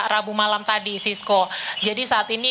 rabu malam tadi sisko jadi saat ini